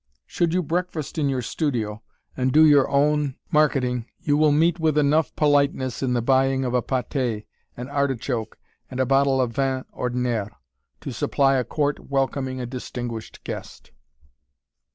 Should you breakfast in your studio and do your own marketing, you will meet with enough politeness in the buying of a paté, an artichoke, and a bottle of vin ordinaire, to supply a court welcoming a distinguished guest.